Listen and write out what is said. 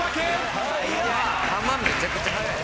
・球めちゃくちゃ速い。